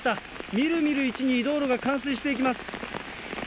みるみるうちに道路が冠水していきます。